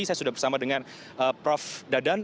saya sudah bersama dengan prof dadan